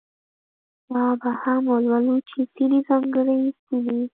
دا به هم ولولو چې ځینې ځانګړې سیمې.